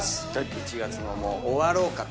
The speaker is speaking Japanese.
１月ももう終わろうかと。